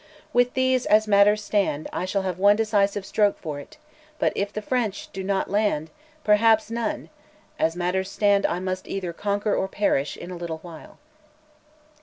"With these, as matters stand, I shal have one decisive stroke for't, but iff the French" (do not?) "land, perhaps none. ... As matters stand I must either conquer or perish in a little while."